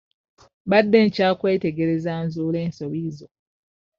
Mbadde nkyakwetegereza nzuule ensobi zo.